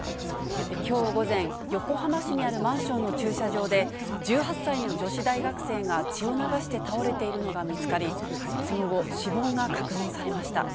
きょう午前、横浜市にあるマンションの駐車場で、１８歳の女子大学生が血を流して倒れているのが見つかり、その後、死亡が確認されました。